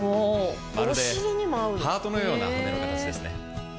まるでハートのような骨の形ですね。